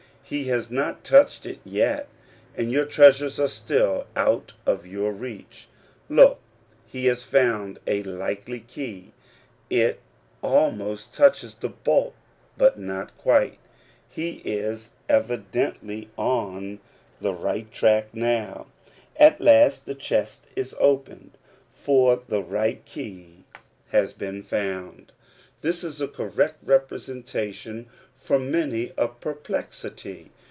He has not touched it yet ; and your treasures are still out of your reach. Look, he has found a likely key : it almost touches the bolt, but not quite. He is evidently on the Searching Out the Promise. 109 *§^ht track now. At last the chest is opened, for '^e right key has been found. This is a correct ^presentation of many a perplexity.